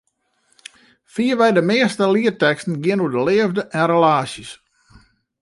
Fierwei de measte lietteksten geane oer de leafde en relaasjes.